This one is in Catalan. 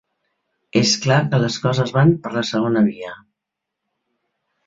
És clar que les coses van per la segona via.